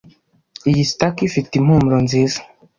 Iyi staki ifite impumuro nziza.